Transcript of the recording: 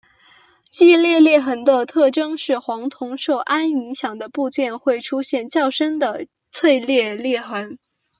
季裂裂痕的特征是黄铜受氨影响的部件会出现较深的脆性裂痕。